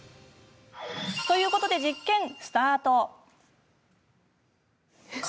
ということで、実験スタート。